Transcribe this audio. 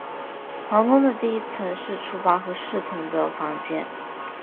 皇宫的第一层是厨房和侍从的房间。